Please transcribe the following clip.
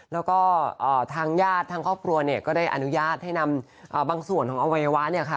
แล้วก็ทางญาติทางครอบครัวเนี่ยก็ได้อนุญาตให้นำบางส่วนของอวัยวะเนี่ยค่ะ